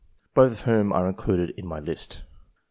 both of whom are included in my list.